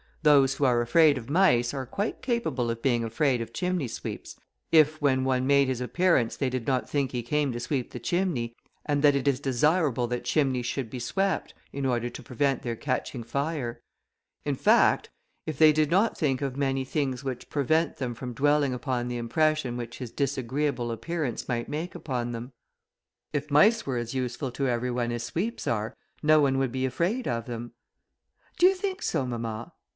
Those who are afraid of mice, are quite capable of being afraid of chimney sweeps, if, when one made his appearance, they did not think he came to sweep the chimney, and that it is desirable that chimneys should be swept, in order to prevent their catching fire; in fact, if they did not think of many things which prevent them from dwelling upon the impression which his disagreeable appearance might make upon them. If mice were as useful to every one as sweeps are, no one would be afraid of them." "Do you think so, mamma?"